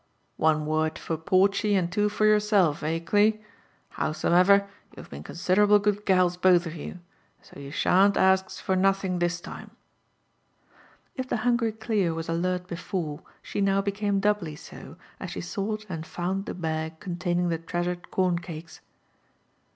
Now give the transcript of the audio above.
*' One word fot Porchy, and two IbfyourseH, €li, Cfi? flowsom 0ver , you have been considerable good gals both of ye ; so you shan't ax for nothing, this lime." If the hungry Clio was alert before, she now became doubfy so, ^ ^e sought sitii found the bag contaming the treasured eorn eakes.